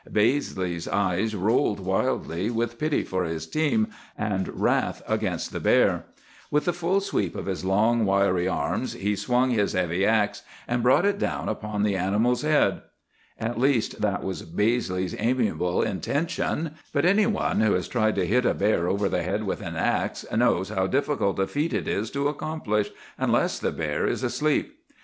Baizley's eyes rolled wildly, with pity for his team and wrath against the bear. With the full sweep of his long, wiry arms, he swung his heavy axe and brought it down upon the animal's head. "At least, that was Baizley's amiable intention; but any one who has tried to hit a bear over the head with an axe knows how difficult a feat it is to accomplish, unless the bear is asleep.